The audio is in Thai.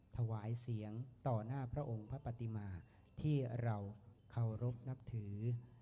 ถวายเสียงต่อหน้าพระองค์พระปฏิมาที่เราเคารพนับถือ